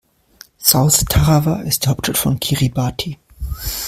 South Tarawa ist die Hauptstadt von Kiribati.